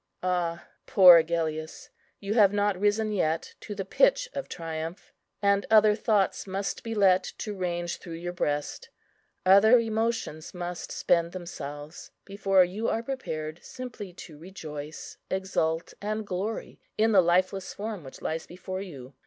Ah, poor Agellius! you have not risen yet to the pitch of triumph; and other thoughts must be let to range through your breast, other emotions must spend themselves, before you are prepared simply to rejoice, exult, and glory in the lifeless form which lies before you.